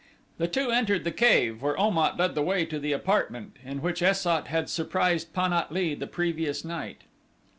The two entered the cave where Om at led the way to the apartment in which Es sat had surprised Pan at lee the previous night.